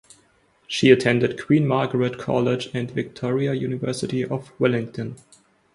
She attended Queen Margaret College and Victoria University of Wellington.